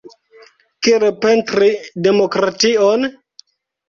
Kiel pentri demokration?